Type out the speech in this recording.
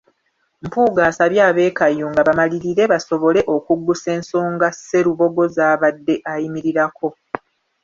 Mpuuga asabye ab’e Kayunga bamalirire basobole okuggusa ensonga Sserubogo z’abadde ayimirirako.